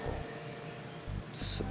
biar aku yang berbohong